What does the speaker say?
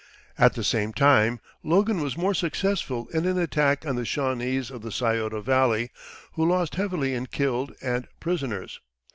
At the same time, Logan was more successful in an attack on the Shawnese of the Scioto Valley, who lost heavily in killed and prisoners.